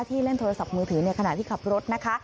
เล่นโทรศัพท์มือถือในขณะที่ขับรถนะคะ